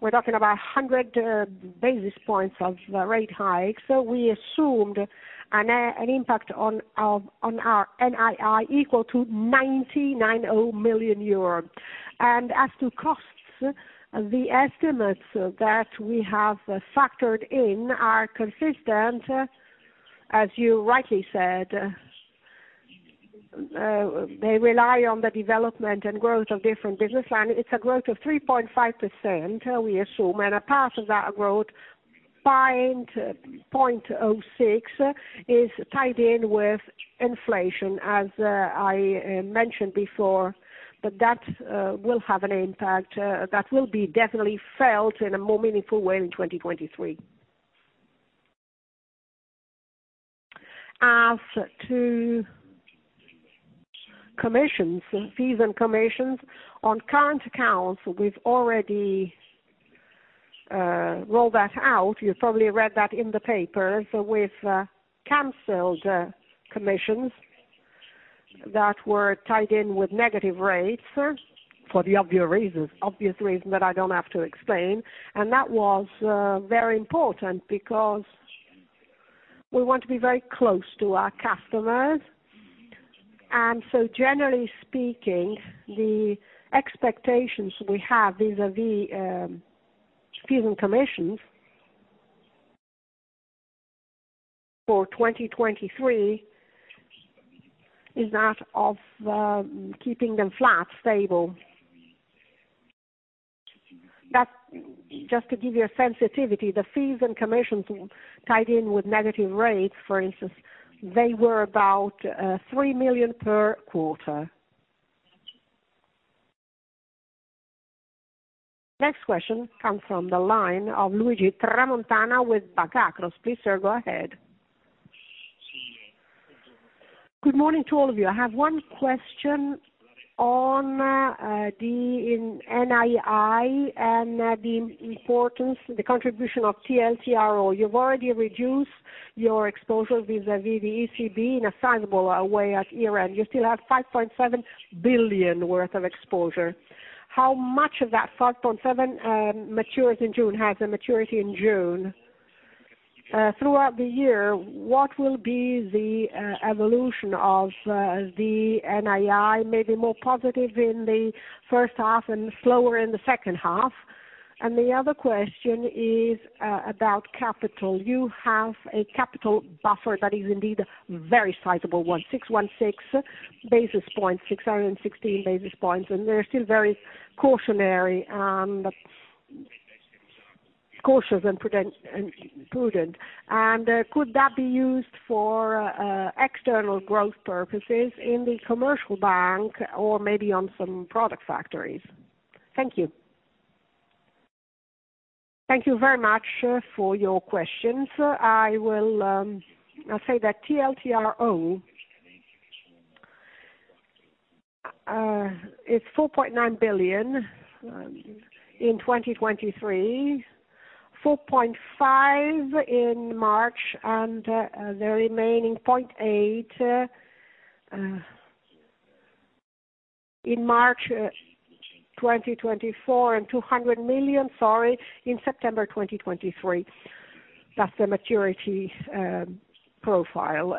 [SPEAKER 2] we're talking about 100 basis points of rate hikes. We assumed an impact on our NII equal to 90 million euro. As to costs, the estimates that we have factored in are consistent. As you rightly said, they rely on the development and growth of different business line. It's a growth of 3.5%, we assume, and a part of that growth 0.06 is tied in with inflation, as I mentioned before, but that will have an impact that will be definitely felt in a more meaningful way in 2023. As to commissions, fees and commissions on current accounts, we've already rolled that out. You probably read that in the paper. We've canceled commissions that were tied in with negative rates for the obvious reason that I don't have to explain. That was very important because we want to be very close to our customers. Generally speaking, the expectations we have vis-a-vis fees and commissions for 2023 is that of keeping them flat, stable. That's just to give you a sensitivity, the fees and commissions tied in with negative rates, for instance, they were about 3 million per quarter.
[SPEAKER 1] Next question comes from the line of Luigi Tramontana with Banca Akros. Please, sir, go ahead.
[SPEAKER 7] Good morning to all of you. I have one question on the NII and the importance, the contribution of TLTRO. You've already reduced your exposure vis-a-vis the ECB in a sizable way at year-end. You still have 5.7 billion worth of exposure. How much of that 5.7 matures in June, has a maturity in June? Throughout the year, what will be the evolution of the NII, maybe more positive in the first half and slower in the second half? The other question is about capital. You have a capital buffer that is indeed very sizable, 616 basis points, and they're still very cautionary, cautious, and prudent. Could that be used for external growth purposes in the commercial bank or maybe on some product factories? Thank you.
[SPEAKER 2] Thank you very much for your questions. I'll say that TLTRO is 4.9 billion in 2023, 4.5 billion in March, and the remaining 0.8 billion in March 2024, and 200 million, sorry, in September 2023. That's the maturity profile.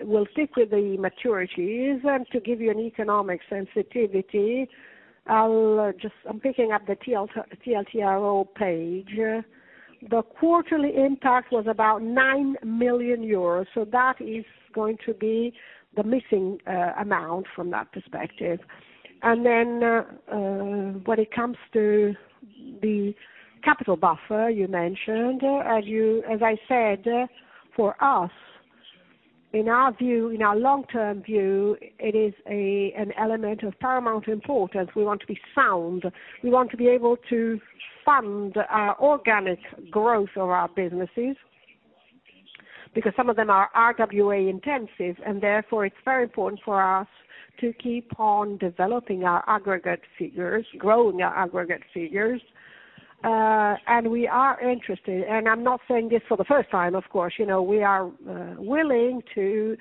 [SPEAKER 2] We'll stick with the maturities. To give you an economic sensitivity, I'm picking up the TLT-TLTRO page. The quarterly impact was about 9 million euros. That is going to be the missing amount from that perspective. When it comes to the capital buffer you mentioned, as I said, for us, in our view, in our long-term view, it is an element of paramount importance. We want to be sound. We want to be able to fund our organic growth of our businesses because some of them are RWA intensive, and therefore it's very important for us to keep on growing our aggregate figures. We are interested, and I'm not saying this for the first time, of course, you know, we are willing to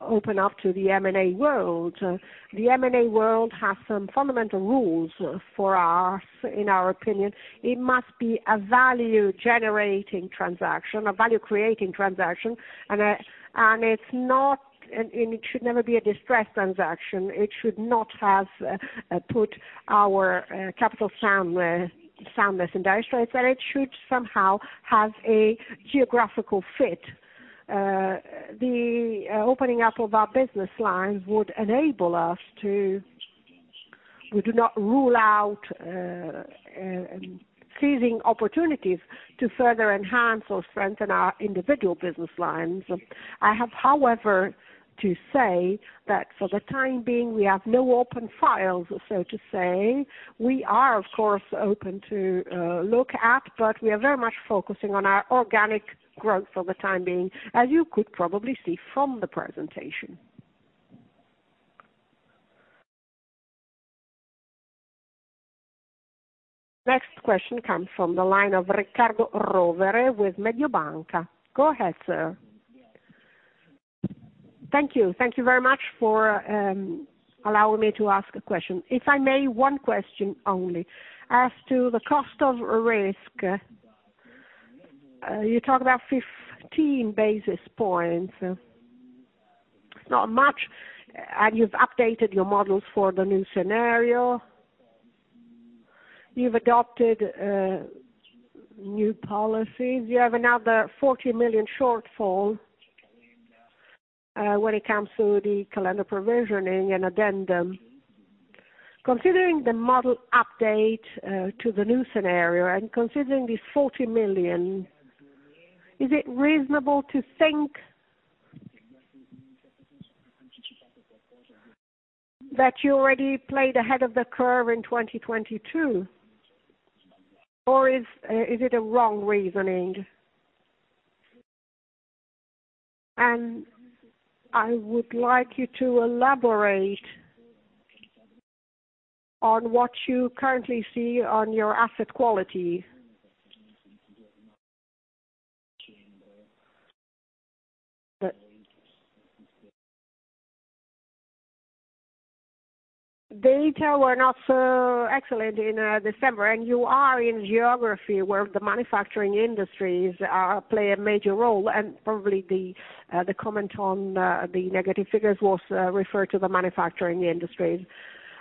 [SPEAKER 2] open up to the M&A world. The M&A world has some fundamental rules for us. In our opinion, it must be a value-generating transaction, a value-creating transaction. It's not, and it should never be a distressed transaction. It should not have put our capital soundness in dire straits, and it should somehow have a geographical fit. The opening up of our business lines would enable us to. We do not rule out seizing opportunities to further enhance or strengthen our individual business lines. I have, however, to say that for the time being, we have no open files, so to say. We are, of course, open to look at, but we are very much focusing on our organic growth for the time being, as you could probably see from the presentation.
[SPEAKER 1] Next question comes from the line of Riccardo Rovere with Mediobanca. Go ahead, sir.
[SPEAKER 8] Thank you. Thank you very much for allowing me to ask a question. If I may, one question only. As to the cost of risk, you talked about 15 basis points. It's not much. You've updated your models for the new scenario. You've adopted new policies. You have another 40 million shortfall. When it comes to the calendar provisioning and addendum, considering the model update to the new scenario and considering the 40 million, is it reasonable to think that you already played ahead of the curve in 2022? Or is it a wrong reasoning? I would like you to elaborate on what you currently see on your asset quality. Data were not so excellent in December, and you are in geography where the manufacturing industries play a major role, and probably the comment on the negative figures was referred to the manufacturing industries.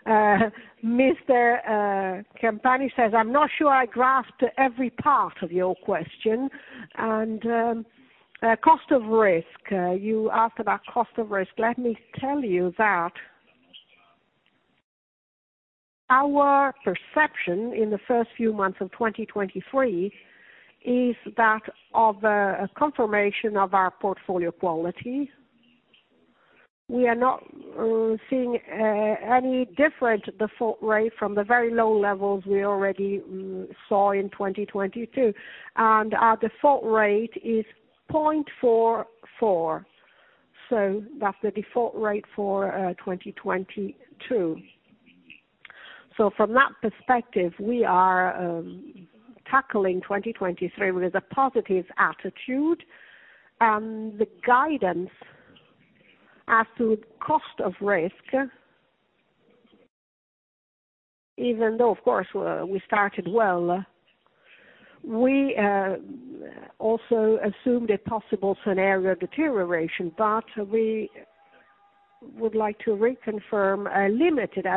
[SPEAKER 2] Mr. Campani says, "I'm not sure I grasped every part of your question." Cost of risk. You asked about cost of risk. Let me tell you that our perception in the first few months of 2023 is that of a confirmation of our portfolio quality. We are not seeing any different default rate from the very low levels we already saw in 2022, and our default rate is 0.44. That's the default rate for 2022. From that perspective, we are tackling 2023 with a positive attitude. The guidance as to cost of risk, even though, of course, we started well, we also assumed a possible scenario deterioration, but we would like to reconfirm a limited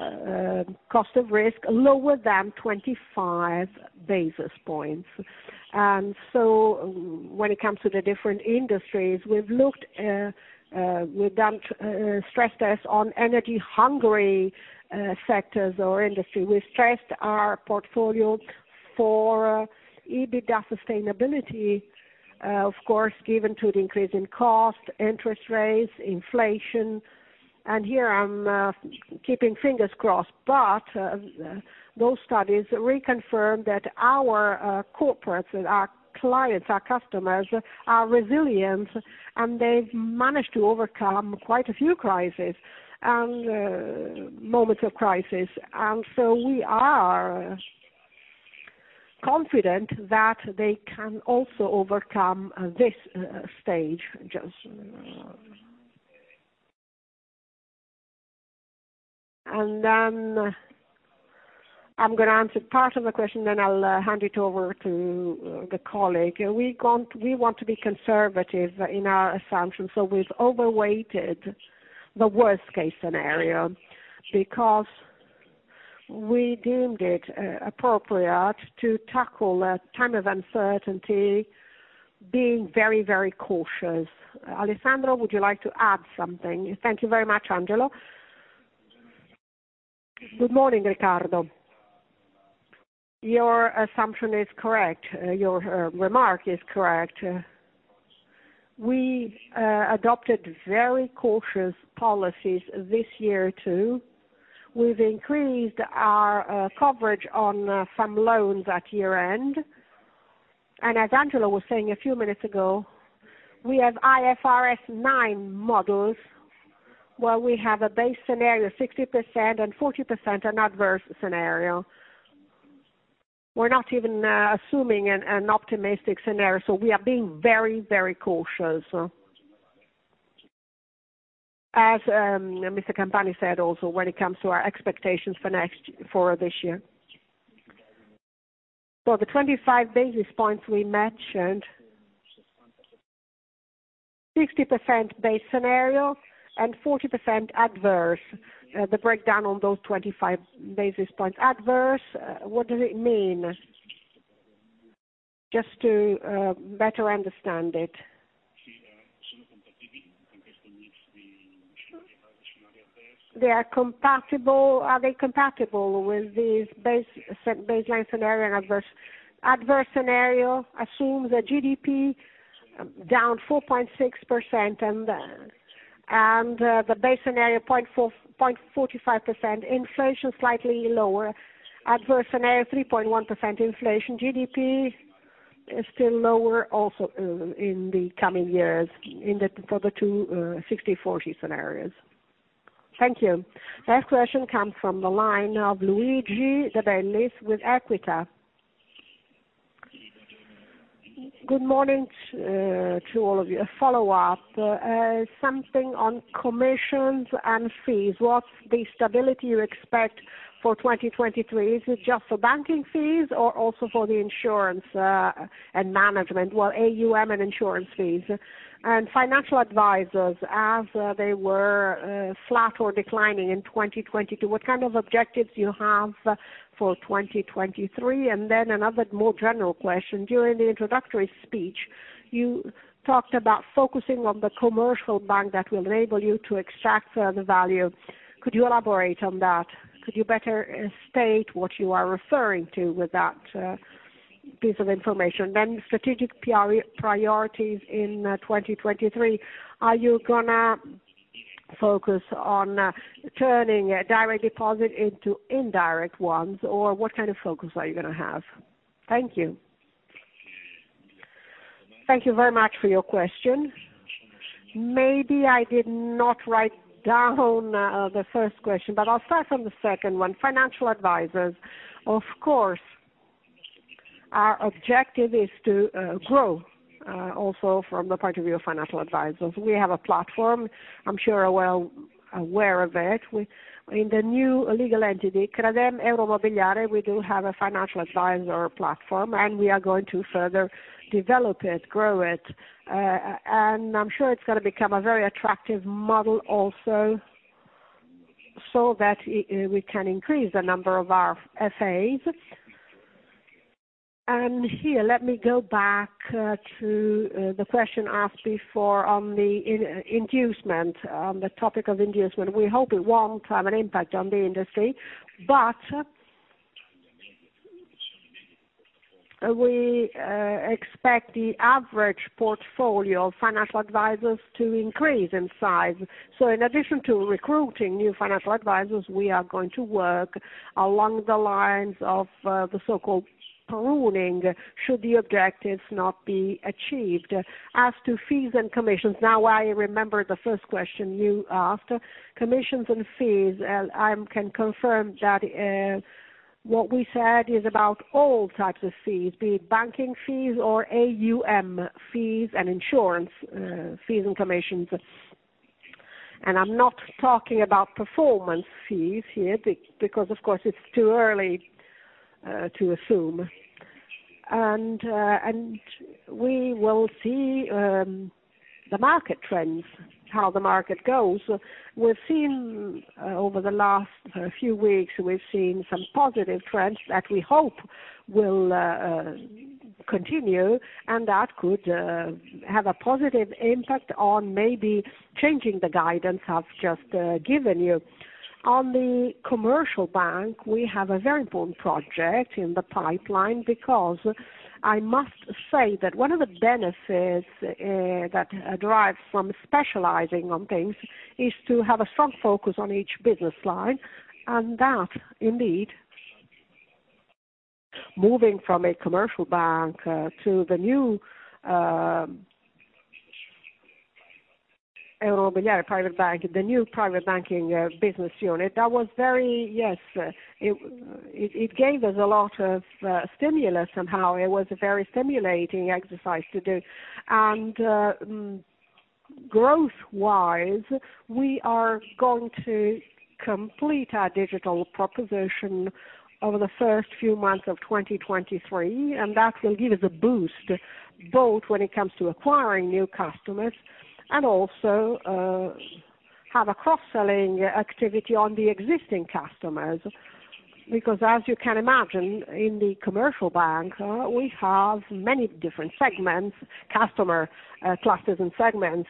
[SPEAKER 2] out cost of risk lower than 25 basis points. When it comes to the different industries, we've looked, we've done stress tests on energy-hungry sectors or industry. We've stressed our portfolio for EBITDA sustainability, of course, given to the increase in cost, interest rates, inflation. Here I'm keeping fingers crossed. But those studies reconfirm that our corporates, our clients, our customers are resilient, and they've managed to overcome quite a few crises and moments of crisis. We are confident that they can also overcome this stage. I'm gonna answer part of the question, then I'll hand it over to the colleague. We want to be conservative in our assumptions, so we've overweighted the worst case scenario because we deemed it appropriate to tackle a time of uncertainty being very, very cautious. Alessandro, would you like to add something?
[SPEAKER 5] Thank you very much, Angelo. Good morning, Ricardo. Your assumption is correct. Your remark is correct. We adopted very cautious policies this year, too. We've increased our coverage on some loans at year-end. As Angelo was saying a few minutes ago, we have IFRS 9 models, where we have a base scenario 60% and 40% an adverse scenario. We're not even assuming an optimistic scenario, so we are being very, very cautious. As Mr. Campani said also when it comes to our expectations for this year. For the 25 basis points we mentioned, 60% base scenario and 40% adverse, the breakdown on those 25 basis points.
[SPEAKER 8] Adverse, what does it mean? Just to better understand it.
[SPEAKER 5] They are compatible. Are they compatible with the base baseline scenario and adverse? Adverse scenario assumes that GDP down 4.6% and the base scenario 0.4%, 0.45%, inflation slightly lower. Adverse scenario, 3.1% inflation. GDP is still lower also in the coming years in the, for the two 60/40 scenarios.
[SPEAKER 8] Thank you.
[SPEAKER 1] Next question comes from the line of Luigi De Bellis with Equita.
[SPEAKER 9] Good morning to all of you. A follow-up. Something on commissions and fees. What's the stability you expect for 2023? Is it just for banking fees or also for the insurance and management? Well, AUM and insurance fees. And financial advisors, as they were flat or declining in 2022, what kind of objectives you have for 2023? Another more general question. During the introductory speech, you talked about focusing on the commercial bank that will enable you to extract the value. Could you elaborate on that? Could you better state what you are referring to with that piece of information? Strategic priorities in 2023, are you gonna focus on turning a direct deposit into indirect ones? Or what kind of focus are you gonna have? Thank you.
[SPEAKER 2] Thank you very much for your question. Maybe I did not write down the first question, but I'll start from the second one. Financial advisors, of course, our objective is to grow also from the point of view of financial advisors. We have a platform. I'm sure you're well aware of it. In the new legal entity, Credem Euromobiliare, we do have a financial advisor platform, and we are going to further develop it, grow it. I'm sure it's gonna become a very attractive model also so that we can increase the number of our FAs. Here, let me go back to the question asked before on the inducement, on the topic of inducement. We hope it won't have an impact on the industry, but we expect the average portfolio of financial advisors to increase in size. In addition to recruiting new financial advisors, we are going to work along the lines of the so-called pruning should the objectives not be achieved. As to fees and commissions, now I remember the first question you asked. Commissions and fees, I can confirm that what we said is about all types of fees, be it banking fees or AUM fees and insurance, fees and commissions. I'm not talking about performance fees here because of course it's too early to assume. We will see the market trends, how the market goes. We've seen over the last few weeks, we've seen some positive trends that we hope will continue, and that could have a positive impact on maybe changing the guidance I've just given you. On the commercial bank, we have a very important project in the pipeline because I must say that one of the benefits that derive from specializing on things is to have a strong focus on each business line, and that indeed, moving from a commercial bank to the new Euromobiliare Private Bank, the new private banking business unit, that was very. Yes, it gave us a lot of stimulus somehow. It was a very stimulating exercise to do. Growth-wise, we are going to complete our digital proposition over the first few months of 2023, and that will give us a boost, both when it comes to acquiring new customers and also, have a cross-selling activity on the existing customers. As you can imagine, in the commercial bank, we have many different segments, customer, clusters and segments,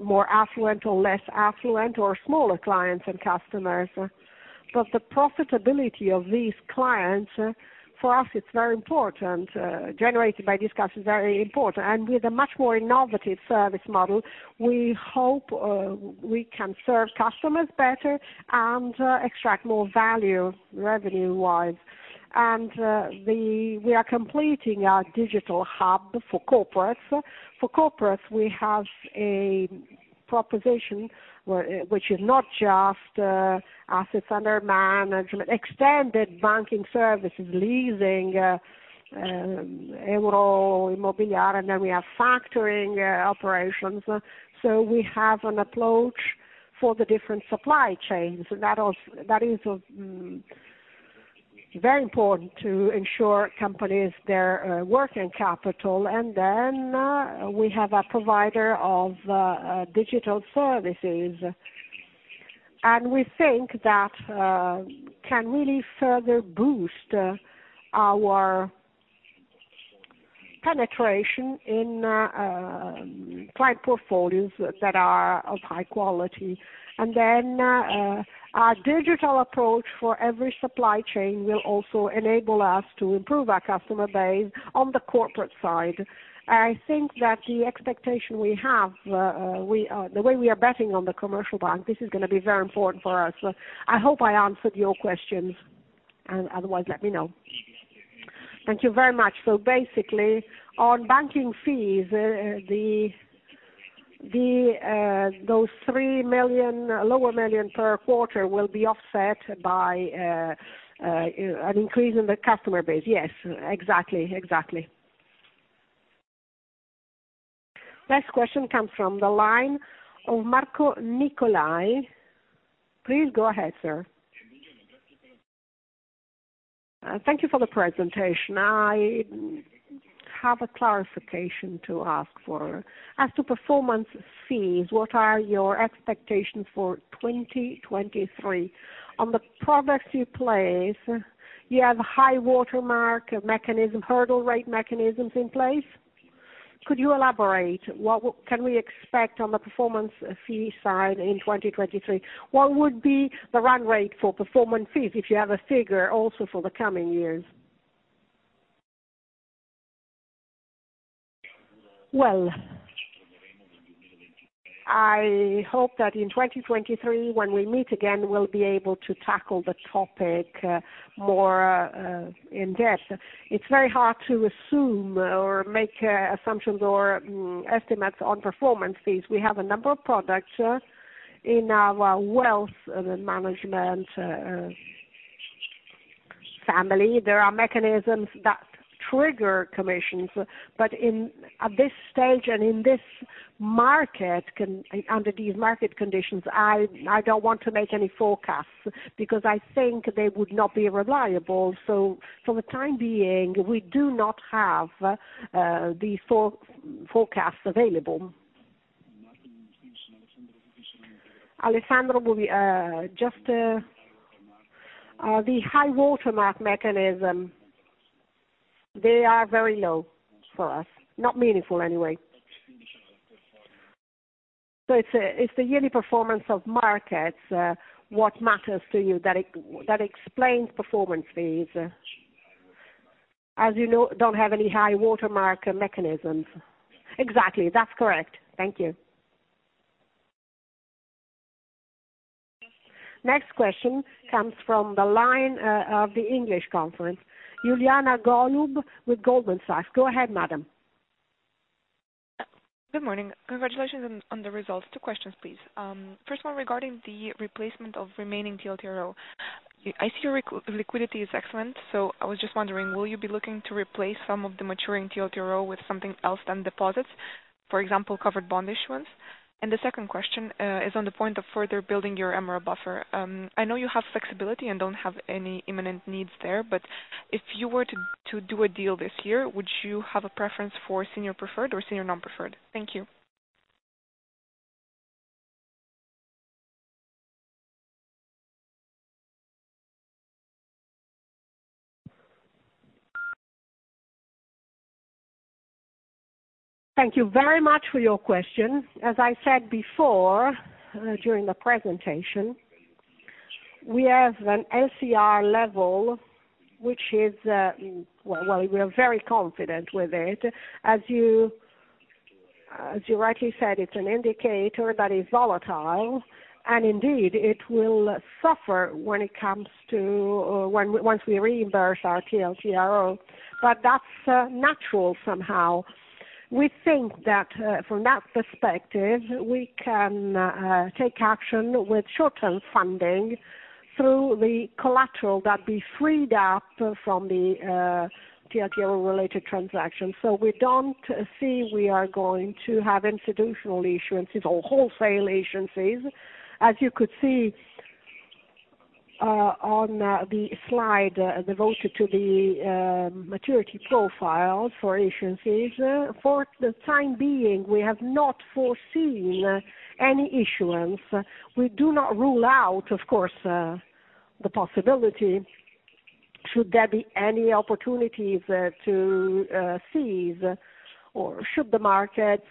[SPEAKER 2] more affluent or less affluent or smaller clients and customers. The profitability of these clients, for us, it's very important. Generated by this customer is very important. With a much more innovative service model, we hope, we can serve customers better and extract more value revenue-wise. We are completing our digital hub for corporates. For corporates, we have a proposition which is not just assets under management, extended banking services, leasing, Euromobiliare, and then we have factoring operations. We have an approach for the different supply chains, and that is very important to ensure companies their working capital. We have a provider of digital services. We think that can really further boost our penetration in client portfolios that are of high quality. Then our digital approach for every supply chain will also enable us to improve our customer base on the corporate side. I think that the expectation we have, we, the way we are betting on the commercial bank, this is gonna be very important for us. I hope I answered your questions, and otherwise, let me know.
[SPEAKER 9] Thank you very much. Basically, on banking fees, the, those 3 million, lower million per quarter will be offset by an increase in the customer base.
[SPEAKER 2] Yes, exactly.
[SPEAKER 1] Next question comes from the line of Marco Nicolai. Please go ahead, sir.
[SPEAKER 10] Thank you for the presentation. I have a clarification to ask for. As to performance fees, what are your expectations for 2023? On the progress you place, you have high watermark mechanism, hurdle rate mechanisms in place? Could you elaborate what can we expect on the performance fee side in 2023? What would be the run rate for performance fees, if you have a figure also for the coming years?
[SPEAKER 2] I hope that in 2023, when we meet again, we'll be able to tackle the topic more in depth. It's very hard to assume or make assumptions or estimates on performance fees. We have a number of products in our wealth management family. There are mechanisms that trigger commissions. In, at this stage and in this market under these market conditions, I don't want to make any forecasts because I think they would not be reliable. For the time being, we do not have the forecasts available. Alessandro will be just the high watermark mechanism, they are very low for us. Not meaningful anyway. It's the yearly performance of markets what matters to you that explains performance fees.
[SPEAKER 10] As you know, don't have any high watermark mechanisms.
[SPEAKER 2] Exactly. That's correct.
[SPEAKER 10] Thank you.
[SPEAKER 1] Next question comes from the line of the English Conference. Iuliana Golub with Goldman Sachs. Go ahead, madam.
[SPEAKER 11] Good morning. Congratulations on the results. Two questions, please. First one regarding the replacement of remaining TLTRO. I see your liquidity is excellent, so I was just wondering, will you be looking to replace some of the maturing TLTRO with something else than deposits, for example, covered bond issuance? The second question is on the point of further building your MREL buffer. I know you have flexibility and don't have any imminent needs there, but if you were to do a deal this year, would you have a preference for senior preferred or senior non-preferred? Thank you.
[SPEAKER 2] Thank you very much for your question. As I said before, during the presentation, we have an LCR level, which is, well, we are very confident with it. As you, as you rightly said, it's an indicator that is volatile, and indeed it will suffer when it comes to, once we reimburse our TLTRO. That's natural somehow. We think that from that perspective, we can take action with short-term funding through the collateral that be freed up from the TLTRO related transactions. We don't see we are going to have institutional issuances or wholesale agencies. As you could see on the slide devoted to the maturity profile for agencies. For the time being, we have not foreseen any issuance. We do not rule out, of course, the possibility should there be any opportunities to seize or should the market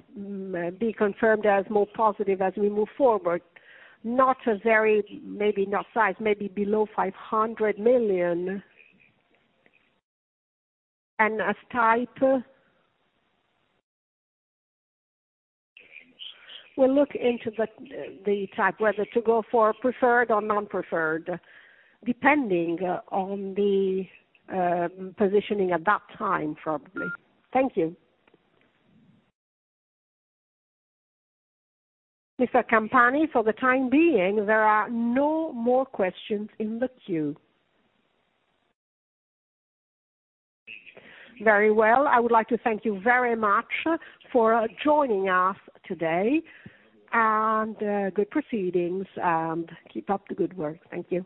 [SPEAKER 2] be confirmed as more positive as we move forward. Not a very, maybe not size, maybe below 500 million.
[SPEAKER 11] And as type?
[SPEAKER 2] We'll look into the type whether to go for preferred or non-preferred, depending on the positioning at that time, probably.
[SPEAKER 11] Thank you.
[SPEAKER 1] Mr. Campani, for the time being, there are no more questions in the queue.
[SPEAKER 2] Very well. I would like to thank you very much for joining us today and good proceedings, and keep up the good work. Thank you.